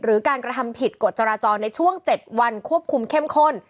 การกระทำผิดกฎจราจรในช่วง๗วันควบคุมเข้มข้น